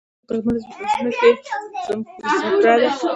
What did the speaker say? تاریخ د خپلې ځمکې زمکړه ده.